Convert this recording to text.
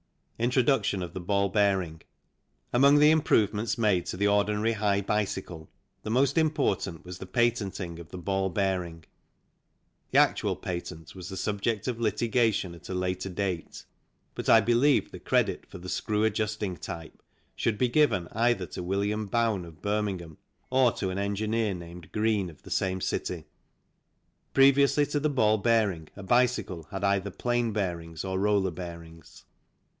Introduction of the Ball Bearing. Among the im provements made to the ordinary high bicycle the most important was the patenting of the ball bearing. The actual patent was the subject of litigation at a later date, but I believe the credit for the screw adjusting type should be given either to William Bown, of Bir mingham, or to an engineer named Green of the same city. Previously to the ball bearing a bicycle had either plain bearings or roller bearings.